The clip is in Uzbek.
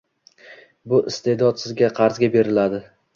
Bu iste’dod sizga qarzga beriladi.